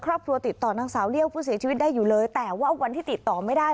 ครอบครัวติดต่อนางสาวเลี่ยวผู้เสียชีวิตได้อยู่เลยแต่ว่าวันที่ติดต่อไม่ได้